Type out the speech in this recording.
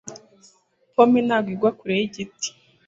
Pome ntabwo igwa kure yigiti